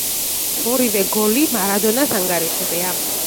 ორივე გოლი მარადონას ანგარიშზეა.